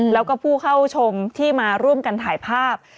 แล้วก็ผู้เข้าชมที่มาร่วมกันถ่ายภาพ